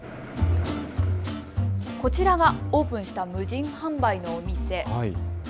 こちらがオープンした無人販売のお店。